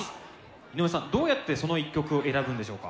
井上さんどうやってその１曲を選ぶんでしょうか？